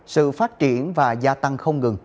sự phát triển và gia tăng không ngừng